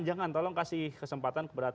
jangan tolong kasih kesempatan kepada